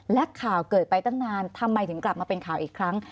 และข่าวเกิดไปตั้งนานทำไมถึงกลับมาเป็นข่าวอีกครั้ง